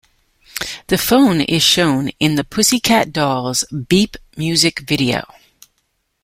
The phone is shown in the Pussycat Dolls' "Beep" music video.